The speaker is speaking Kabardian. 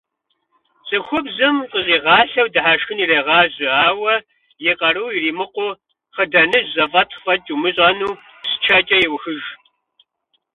Цӏыхубзым къыщӏигъалъэу дыхьэшхын ирегъажьэ, ауэ, и къару иримыкъуу, хъыданэжь зэфӏатхъ фӏэкӏ умыщӏэну, псчэкӏэ еухыж.